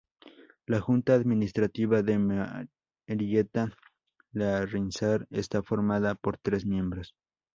La junta administrativa de Marieta-Larrínzar está formada por tres miembros.